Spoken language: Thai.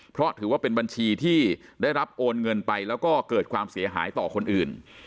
เพราะถือว่าเป็นบัญชีที่ได้รับโอนเงินไปแล้วก็เกิดความเสียหายต่อคนอื่น